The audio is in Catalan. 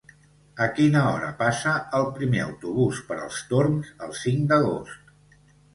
A quina hora passa el primer autobús per els Torms el cinc d'agost?